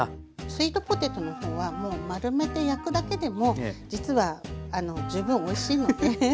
スイートポテトの方はもう丸めて焼くだけでも実は十分おいしいので。